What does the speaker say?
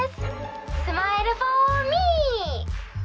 スマイルフォーミー！